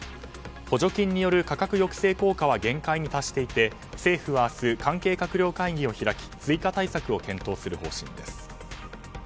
補助金による価格抑制効果は限界に達していて政府は明日、関係閣僚会議を開き追加対策を検討する方針です。